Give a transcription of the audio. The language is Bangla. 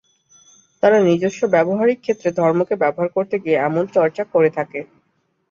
তারা নিজস্ব ব্যবহারিক ক্ষেত্রে ধর্ম কে ব্যবহার করতে গিয়ে এমন চর্চা করে থাকে।